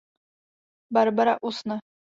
Barbara usne.